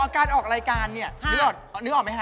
การออกรายการเนี่ยนึกออกไหมคะ